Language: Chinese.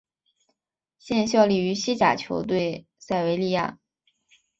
现效力于西甲球队塞维利亚。